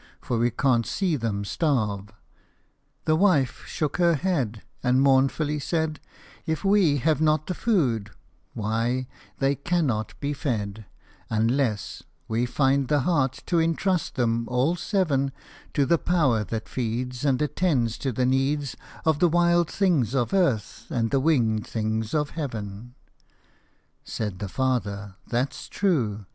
for we can't see them starve." The wife shook her head, And mournfully said, " If we have not the food, why, they cannot be fed ; Unless we find heart to entrust them all seven To the Power that feeds And attends to the needs Of the wild things of earth and the winged things of heaven." Said the father, "That's true!